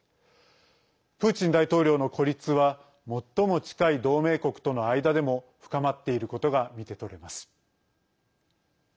プーチン大統領の孤立は最も近い同盟国との間でも深まっていることが見て取れます。